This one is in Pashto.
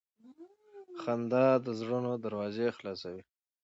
• خندا د زړه دروازه خلاصوي.